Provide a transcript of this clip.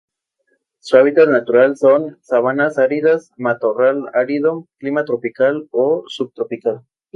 Su hábitat natural son: sabanas áridas, matorral árido, clima tropical o subtropical.